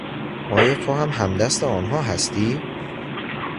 آیا توهم همدست آنها هستی؟